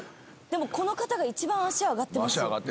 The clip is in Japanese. でもこの方が一番脚上がってますよ。